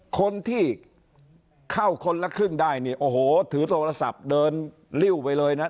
คนที่เข้าคนละครึ่งได้เนี่ยโอ้โหถือโทรศัพท์เดินริ้วไปเลยนะ